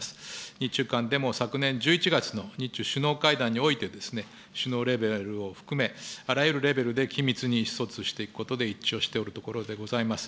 日中間でも昨年１１月の日中首脳会談において、首脳レベルを含め、あらゆるレベルで緊密に意思疎通していくことで一致をしておるところでございます。